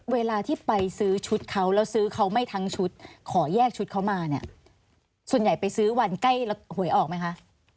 เวลาที่ไปซื้อชุดเขาแล้วซื้อเขาไม่ทั้งชุดขอแยกชุดเขามาเนี่ยส่วนใหญ่ไปซื้อวันใกล้แล้วหวยออกไหมคะ